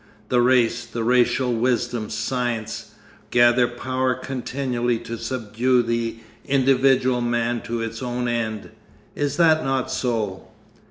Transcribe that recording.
The race, the racial wisdom, science, gather power continually to subdue the individual man to its own end. Is that not so?